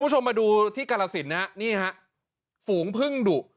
ทุกผู้ชมมาดูที่เกลษินนะฝูงพึ่งดุ